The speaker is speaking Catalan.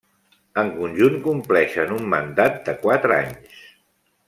En conjunt compleixen un mandat de quatre anys.